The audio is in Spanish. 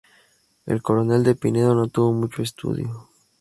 El Coronel De Pinedo no tuvo mucho estudio.